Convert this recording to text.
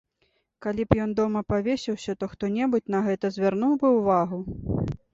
Калі б ён дома павесіўся, то хто-небудзь на гэта звярнуў бы ўвагу?